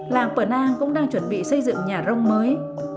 làng phở nang cũng đang chuẩn bị xây dựng nhà rông mới